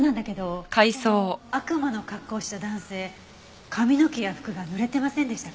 その悪魔の格好をした男性髪の毛や服が濡れてませんでしたか？